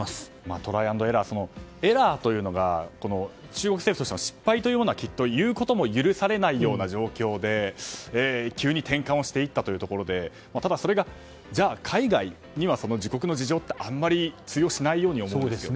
トライ＆エラーでエラーというのが中国政府としては失敗も許されないという状況で、急に転換をしていったということでただ、それが海外には自国の事情ってあんまり通用しないように思えますよね。